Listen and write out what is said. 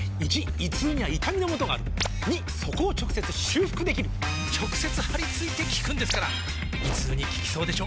①胃痛には痛みのもとがある②そこを直接修復できる直接貼り付いて効くんですから胃痛に効きそうでしょ？